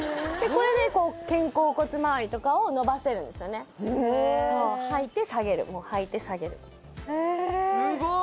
これで肩甲骨まわりとかを伸ばせるんですよねへえそう吐いて下げる吐いて下げるへえすごっ！